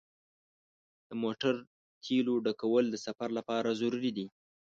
د موټر تیلو ډکول د سفر لپاره ضروري دي.